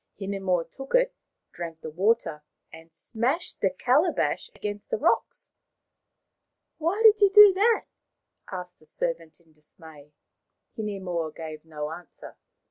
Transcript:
Hinemoa took it, drank the water, and smashed the calabash against the rocks. " Why did you do that ?" asked the servant in dismay. Hinemoa gave no answer.